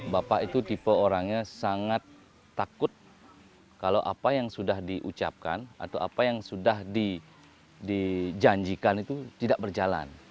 bapak itu tipe orangnya sangat takut kalau apa yang sudah diucapkan atau apa yang sudah dijanjikan itu tidak berjalan